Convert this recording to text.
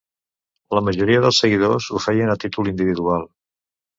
La majoria dels seguidors ho feien a títol individual.